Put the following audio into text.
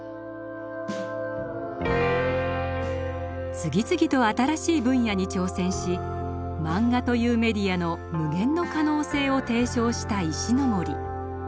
次々と新しい分野に挑戦しマンガというメディアの無限の可能性を提唱した石森。